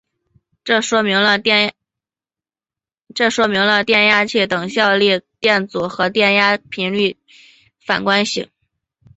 这说明了电压器的等效电阻和电压源频率的反关系。